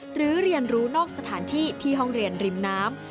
เรียนรู้นอกสถานที่ที่ห้องเรียนริมน้ำ